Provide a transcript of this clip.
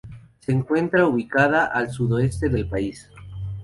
Se encuentra ubicada al sudoeste del país.